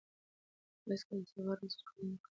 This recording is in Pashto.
هغه هېڅکله د سبا د رزق غم نه کاوه.